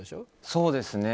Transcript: そうですね。